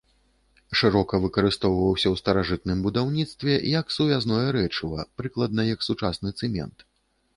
Шырока выкарыстоўваўся ў старажытным будаўніцтве як сувязное рэчыва, прыкладна як сучасны цэмент.